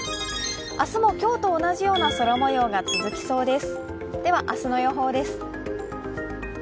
明日も今日と同じような空もようが続きそうです。